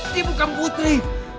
dia bukan putri